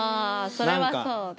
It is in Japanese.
それはそうです。